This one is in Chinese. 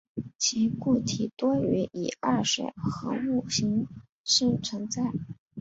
其固体多以二水合物形式存在。